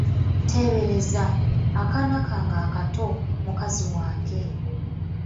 Teebereza! Akaana kange akato , mukazi wange!